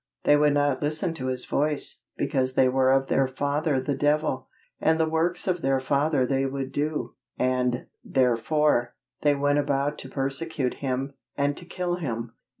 They would not listen to His voice, because they were of their father the devil, and the works of their father they would do; and, therefore, they went about to persecute Him, and to kill Him.